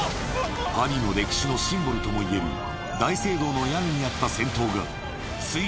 ・パリの歴史のシンボルともいえる大聖堂の屋根にあった